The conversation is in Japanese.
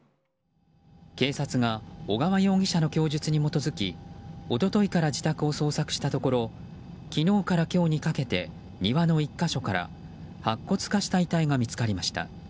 警察が小川容疑者の供述に基づき一昨日から自宅を捜索したところ昨日から今日にかけて庭の１か所から白骨化した遺体が見つかりました。